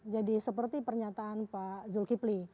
jadi seperti pernyataan pak zulkifli